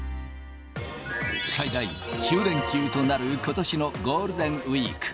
最大９連休となることしのゴールデンウィーク。